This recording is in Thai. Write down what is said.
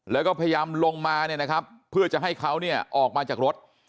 แล้วก็พยายามลงมาเนี่ยนะครับเพื่อจะให้เขาเนี่ยออกมาจากรถ